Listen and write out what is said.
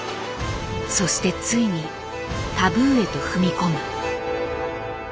そしてついにタブーへと踏み込む。